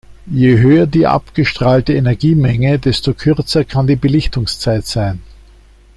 Je höher die abgestrahlte Energiemenge, desto kürzer kann die Belichtungszeit sein.